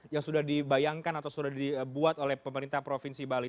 yang sudah dibayangkan atau sudah dibuat oleh pemerintah provinsi bali